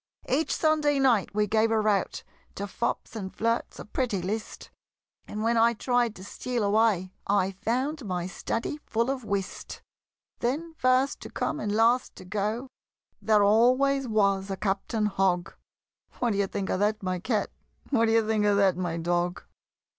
Each Sunday night we gave a rout To fops and flirts, a pretty list; And when I tried to steal away, I found my study full of whist! Then, first to come and last to go, There always was a Captain Hogg What d'ye think of that, my Cat? What d'ye think of that, my Dog?